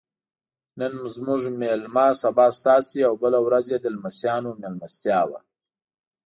نن زموږ میلمه سبا ستاسې او بله ورځ یې د لمسیانو میلمستیا وه.